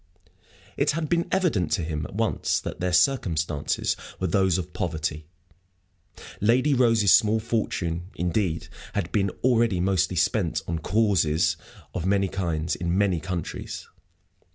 It had been evident to him at once that their circumstances were those of poverty. Lady Rose's small fortune, indeed, had been already mostly spent on "causes" of many kinds, in many countries.